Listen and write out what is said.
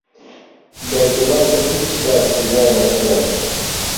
دایک و باوکم هیچ کات سزایان نەدام.